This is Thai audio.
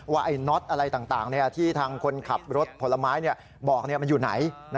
ไอ้น็อตอะไรต่างที่ทางคนขับรถผลไม้บอกมันอยู่ไหน